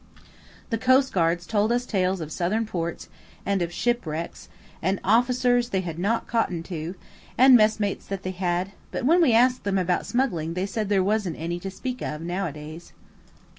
The coastguards told us tales of Southern ports, and of shipwrecks, and officers they had not cottoned to, and the messmates that they had, but when we asked them about smuggling they said there wasn't any to speak of nowadays.